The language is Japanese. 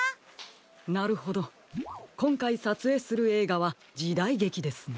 なるほどこんかいさつえいするえいがはじだいげきですね？